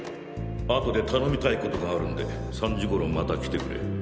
後で頼みたいことがあるんで３時頃また来てくれ。